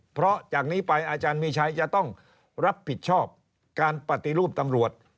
เพราะจากนี้ไปอาจารย์มีชัยจะต้องรับผิดชอบการปฏิรูปตำรวจ